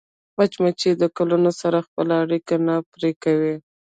مچمچۍ د ګلونو سره خپله اړیکه نه پرې کوي